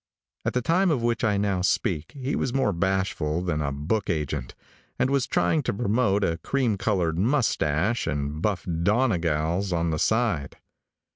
At the time of which I now speak he was more bashful than a book agent, and was trying to promote a cream colored mustache and buff "Donegals" on the side.